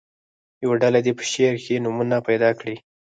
یوه ډله دې په شعر کې نومونه پیدا کړي.